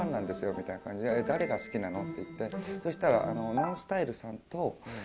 みたいな感じで「誰が好きなの？」って言ってそうしたら。